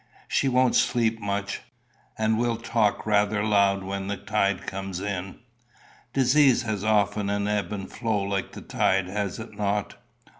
She won't sleep much, and will talk rather loud when the tide comes in." "Disease has often an ebb and flow like the tide, has it not?"